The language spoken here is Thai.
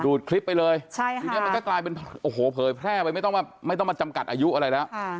คลิปไปเลยทีนี้มันก็กลายเป็นโอ้โหเผยแพร่ไปไม่ต้องมาจำกัดอายุอะไรแล้ว